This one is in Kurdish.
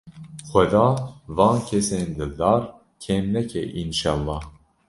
Xweda van kesên dildar kêm neke înşellah.